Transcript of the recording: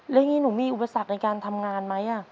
แล้วอย่างนี้หนูมีอุปสรรคในการทำงานไหม